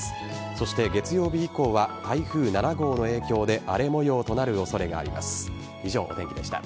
そして月曜日以降は台風７号の影響で荒れ模様となる恐れがあります。